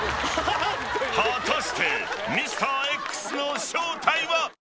［果たしてミスターＸの正体は！？］